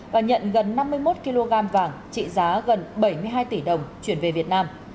và nhận gần năm mươi một kg vàng trị giá gần bảy mươi hai tỷ đồng chuyển về việt nam